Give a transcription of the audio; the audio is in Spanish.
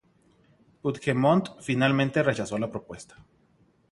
Puigdemont finalmente rechazó la propuesta.